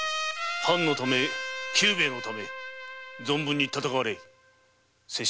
藩のため久兵衛のため存分に戦われよ。